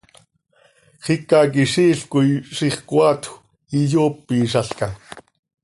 Xicaquiziil coi ziix coaatjö iyoopizalca.